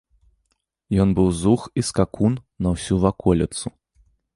Ён быў зух і скакун на ўсю ваколіцу.